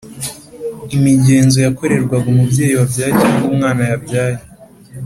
imigenzo yakorerwaga umubyeyi wabyaye cyangwa umwana abyaye